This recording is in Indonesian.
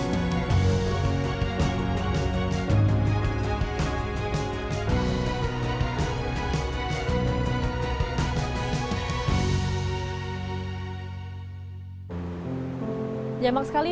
jangan lupa like share dan subscribe channel ini